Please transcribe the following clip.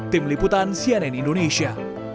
tim liputan cnn indonesia